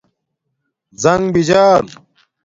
زݣ بجال